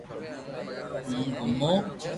ھون گومو